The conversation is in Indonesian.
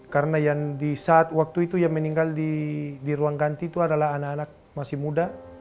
karena yang di saat waktu itu yang meninggal di ruang ganti itu adalah anak anak masih muda